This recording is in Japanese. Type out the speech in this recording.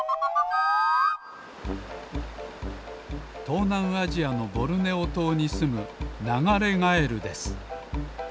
とうなんアジアのボルネオとうにすむナガレガエルです。